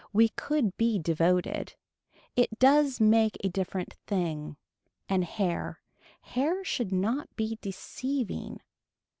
We could be devoted. It does make a different thing. And hair, hair should not be deceiving.